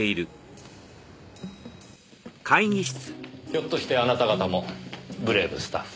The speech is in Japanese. ひょっとしてあなた方もブレイブスタッフを？